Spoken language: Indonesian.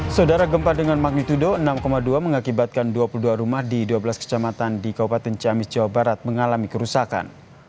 saudara gempa dengan magnitudo enam dua mengakibatkan dua puluh dua rumah di dua belas kecamatan di kabupaten ciamis jawa barat mengalami kerusakan